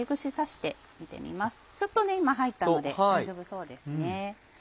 スッと今入ったので大丈夫そうですね。